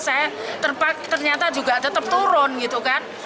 saya ternyata juga tetap turun gitu kan